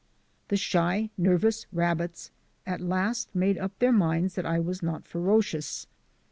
The shy, nervous rabbits at last made up their minds that I was not ferocious.